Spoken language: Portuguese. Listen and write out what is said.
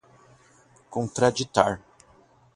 contraditar